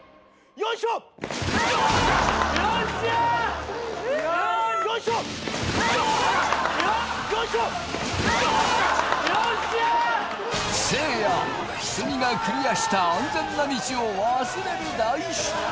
よっしゃーせいや鷲見がクリアした安全な道を忘れる大失態